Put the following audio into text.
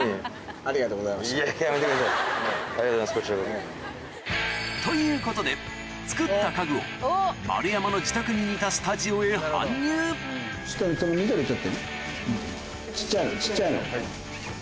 ありがとうございますこちらこそ。ということで作った家具を丸山の自宅に似たスタジオへ搬入その緑取ってみ小っちゃいの小っちゃいの。